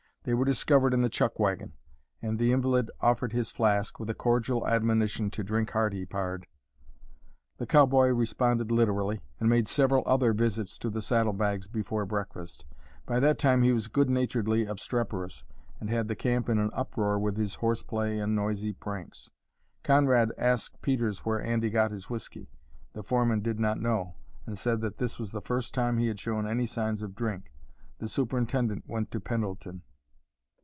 They were discovered in the chuck wagon, and the invalid offered his flask, with a cordial admonition to "drink hearty, pard." The cowboy responded literally, and made several other visits to the saddle bags before breakfast. By that time he was good naturedly obstreperous, and had the camp in an uproar with his horse play and noisy pranks. Conrad asked Peters where Andy got his whiskey. The foreman did not know, and said that this was the first time he had shown any signs of drink. The superintendent went to Pendleton.